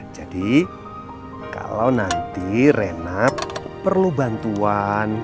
jadi kalau nanti rena perlu bantuan